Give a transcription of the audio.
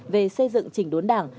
về xây dựng chỉnh đốn đảng